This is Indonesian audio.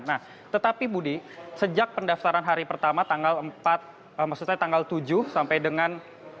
nah tetapi budi sejak pendaftaran hari pertama tanggal empat maksud saya tanggal tujuh sampai dengan